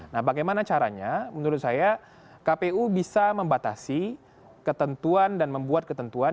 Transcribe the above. nah bagaimana caranya menurut saya kpu bisa membatasi ketentuan dan membuat ketentuan